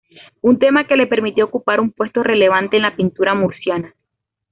Un tema que le permitió ocupar un puesto relevante en la pintura murciana.